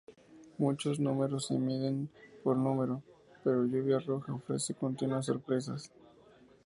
Muchos números se miden por números, pero "Lluvia roja" ofrece continuas sorpresas.